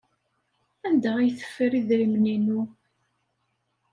Anda ay teffer idrimen-inu?